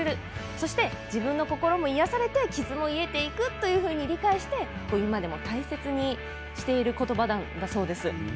そして、自分の心も癒やされて傷も癒えていくと理解して、今でも大切にしていることばなんだそうです。